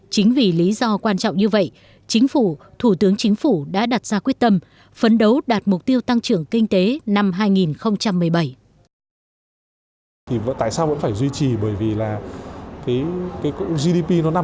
chính vì lý do này việt nam vẫn thua nhiều nền kinh tế châu á ngày hôm nay